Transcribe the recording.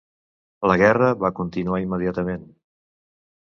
La guerra va continuar immediatament.